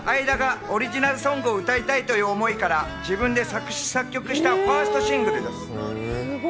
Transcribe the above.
この曲は相田がオリジナルソングを歌いたいという思いから自分で作詞・作曲したファーストシングルなんです。